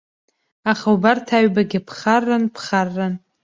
Аха убарҭ аҩбагьы ԥхарран, ԥхарран.